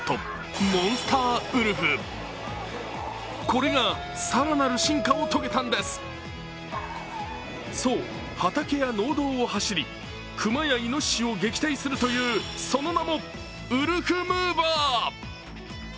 これが、更なる進化を遂げたんですそう、畑や農道を走り、熊やいのししを撃退するというその名もウルフムーバー。